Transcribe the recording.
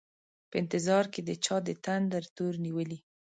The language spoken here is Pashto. په انتظار کي د چا دتندري تور نیولي